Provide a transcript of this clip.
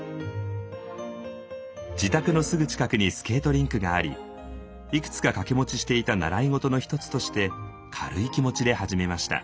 自宅のすぐ近くにスケートリンクがありいくつか掛け持ちしていた習い事の一つとして軽い気持ちで始めました。